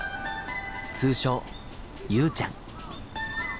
通称ゆうちゃん。